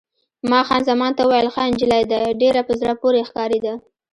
ما خان زمان ته وویل: ښه نجلۍ ده، ډېره په زړه پورې ښکارېده.